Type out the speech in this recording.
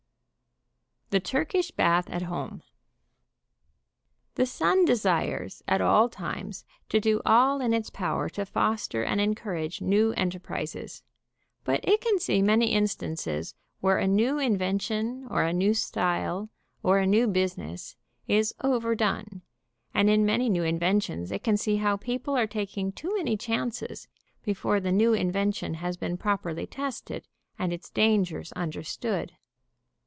THE TURKISH BATH AT HOME. The Sun desires, at all times, to do all in its power to foster and encourage new enterprises, but it can see many instances where a new invention, or a new style, or a new business, is overdone, and in many new in ventions it can see how people are taking too many chances before the new invention has been properly tested, and its dangers understood.